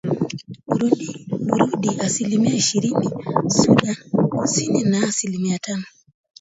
Burundi asilimia ishirini Sudan Kusini na asilimia tano